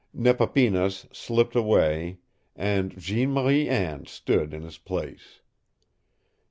Nepapinas slipped away, and Jeanne Marie Anne stood in his place.